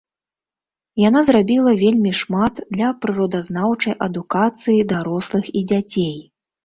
Яна зрабіла вельмі шмат для прыродазнаўчай адукацыі дарослых і дзяцей.